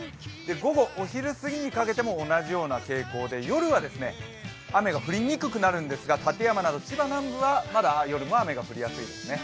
午後、お昼すぎにかけても同じような傾向で夜は雨が降りにくくなるんですが館山など千葉南部ではまだ夜も雨が降りやすいですね。